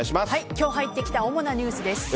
今日入ってきた主なニュースです。